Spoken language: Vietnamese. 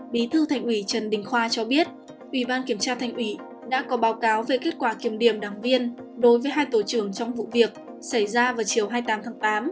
bí thư thành ủy trần đình khoa cho biết ubkt đã có báo cáo về kết quả kiểm điểm đáng viên đối với hai tổ trưởng trong vụ việc xảy ra vào chiều hai mươi tám tháng tám